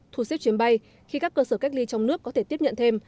thu xếp chuyến bay khi các cơ sở cách ly trong nước có thể tiếp nhận thêm